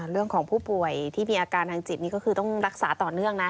เรื่องของผู้ป่วยที่มีอาการทางจิตนี่ก็คือต้องรักษาต่อเนื่องนะ